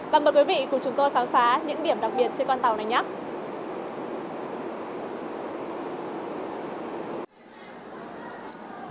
và mời quý vị cùng chúng tôi khám phá những điểm đặc biệt trên con tàu này nhé